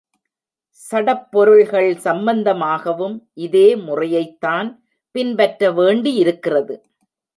சடப்பொருள்கள் சம்பந்தமாகவும் இதே முறையைத்தான் பின்பற்ற வேண்டியிருக்கிறது.